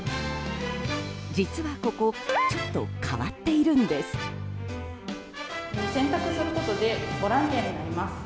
実はここちょっと変わっているんです。